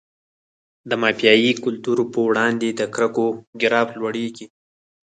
د مافیایي کلتور په وړاندې د کرکو ګراف لوړیږي.